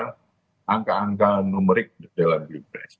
di luar angka angka numerik dalam bipres